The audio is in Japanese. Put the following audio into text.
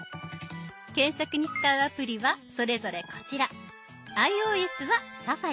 検索に使うアプリはそれぞれこちら。